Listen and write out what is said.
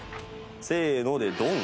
せーのでドン！